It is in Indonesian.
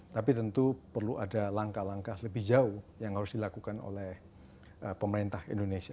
tapi tentu perlu ada langkah langkah lebih jauh yang harus dilakukan oleh pemerintah indonesia